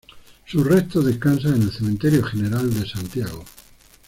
Sus restos descansan en el Cementerio General de Santiago.